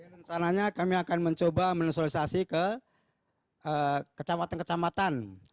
rencananya kami akan mencoba menesualisasi ke kecamatan kecamatan